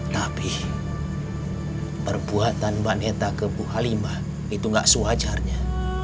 tapi perbuatan mbak neta ke bu halimah itu gak sewajarnya